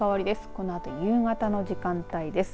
このあと夕方の時間帯です。